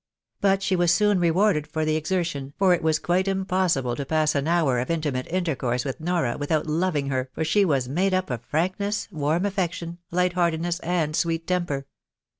But she was soon rewarded for the exertion, for it was quite impossible to pass an hour of intimate intercourse with Nora without loving her ; for she was made up of frankness, warm affection, light heartedness, and sweet temper.